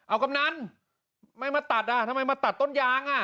อ้ะกำนั้นไม่มาตัดทำไมมาตัดต้นยาง